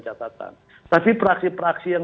catatan tapi praksi praksi yang